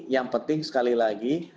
yang penting sekali lagi